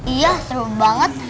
iya seru banget